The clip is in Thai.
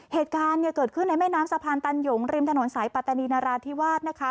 เหตุการณ์เนี่ยเกิดขึ้นในแม่น้ำสะพานตันหยงริมถนนสายปัตตานีนราธิวาสนะคะ